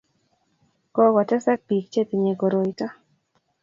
kokotesak bik chetinye koroito